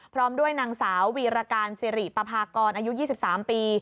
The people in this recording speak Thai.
พร้อมด้วยนางสาววีรการสิริปภากรอายุ๒๓ปี